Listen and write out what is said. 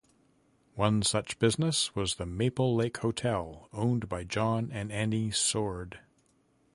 One such business was the Maple Lake Hotel, owned by John and Annie Sword.